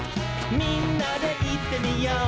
「みんなでいってみよう」